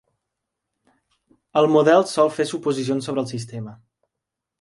El model sol fer suposicions sobre el sistema.